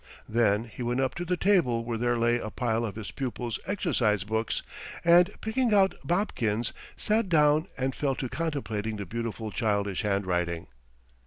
Then he went up to the table where there lay a pile of his pupils' exercise books, and picking out Babkin's, sat down and fell to contemplating the beautiful childish handwriting.